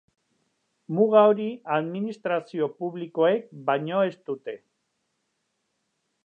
Muga hori administrazio publikoek baino ez dute.